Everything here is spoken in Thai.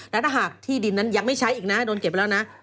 แล้วถ้าหากที่ดินนั้นยังไม่ใช้อีกนะโดนเก็บไปแล้วนะ